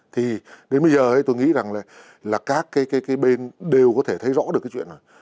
thì đến bây giờ tôi nghĩ rằng là các cái bên đều có thể thấy rõ được cái chuyện là